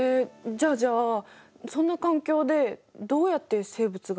じゃあじゃあそんな環境でどうやって生物が誕生したの？